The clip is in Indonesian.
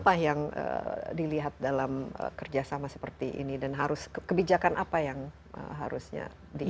apa yang dilihat dalam kerjasama seperti ini dan harus kebijakan apa yang harusnya di